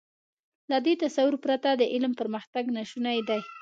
له دې تصور پرته د علم پرمختګ ناشونی دی.